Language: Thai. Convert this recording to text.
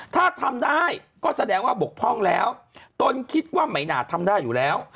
ถ้าทำได้ก็แสดงว่าบกพร่องแล้วตนคิดว่าไม่น่าทำได้อยู่แล้ว